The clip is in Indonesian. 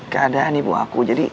keadaan ibu aku jadi